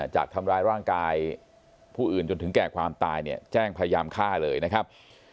จากทำร้ายร่างกายผู้อื่นจนถึงแก่ความตายเนี่ยแจ้งพยายามฆ่าเลยนะครับ